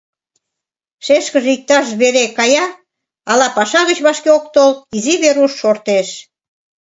Шешкыже иктаж вере кая, але паша гыч вашке ок тол — изи Веруш шортеш.